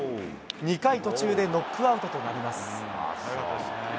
２回途中でノックアウトとなります。